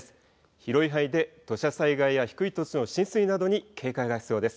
広い範囲で土砂災害や低い土地の浸水などに警戒が必要です。